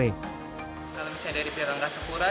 dalam misalnya dari perangkat angkasa pura